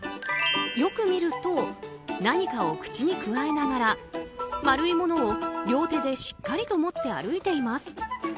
よく見ると何かを口にくわえながら丸いものを両手でしっかりと持って歩いています。